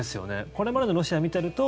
これまでのロシアを見ていると